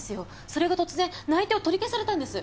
それが突然内定を取り消されたんです。